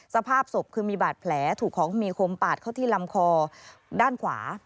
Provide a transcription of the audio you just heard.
สภาพศพคือมีบาดแผลถูกของมีคมปาดเข้าที่ลำคอด้านขวา